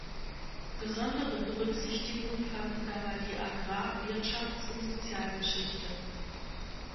Besondere Berücksichtigung fanden dabei die Agrar-, Wirtschafts- und Sozialgeschichte.